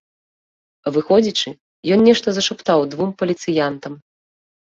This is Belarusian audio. Выходзячы, ён нешта зашаптаў двум паліцыянтам.